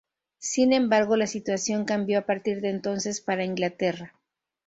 Sin embargo la situación cambió a partir de entonces para Inglaterra.